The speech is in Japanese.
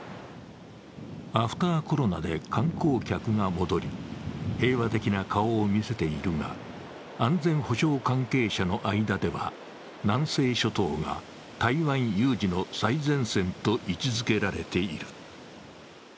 アフターコロナで観光客が戻り、平和的な顔を見せているが、安全保障関係者の間では南西諸島が台湾有事の最前線と位置づけられている。